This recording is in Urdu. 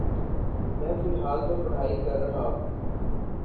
میں فلحال تو پڑہائی کر رہا۔